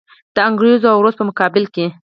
د انګریز او روس په مقابل کې.